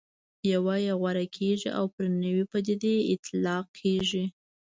یوه یې غوره کېږي او پر نوې پدیدې اطلاق کېږي.